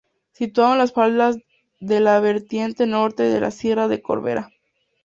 Situado a las faldas de la vertiente norte de la sierra de Corbera.